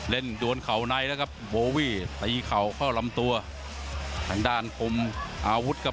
เล่นดวนเข่าในนะครับโบวี่ตีเข่าเข้ารำตัวแข่งด้านกลมอาวุธครับ